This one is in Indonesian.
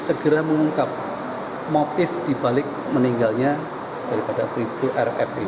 segera mengungkap motif dibalik meninggalnya daripada bripto rf ini